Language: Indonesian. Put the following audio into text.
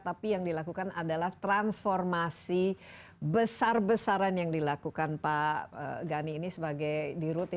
tapi yang dilakukan adalah transformasi besar besaran yang dilakukan pak gani ini sebagai dirut